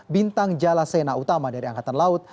bintang jalasena utama dari angkatan laut